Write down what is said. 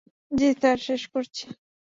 জ্বি স্যার, শেষ করছি।